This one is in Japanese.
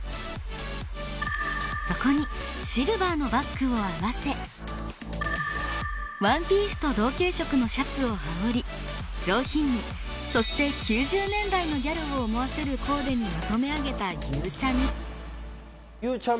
そこにシルバーのバッグを合わせワンピースと同系色のシャツを羽織り上品にそして９０年代のギャルを思わせるコーデにまとめ上げたゆうちゃみ。